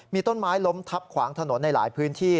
มีต้นไม้ล้มทับขวางถนนในหลายพื้นที่